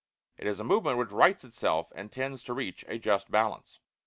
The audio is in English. It is a movement which rights itself and tends to reach a just balance.